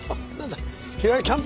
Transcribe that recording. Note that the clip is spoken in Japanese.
平井キャンプ